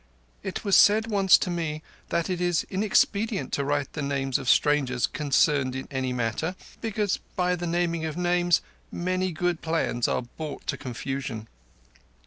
"It was said once to me that it is inexpedient to write the names of strangers concerned in any matter, because by the naming of names many good plans are brought to confusion."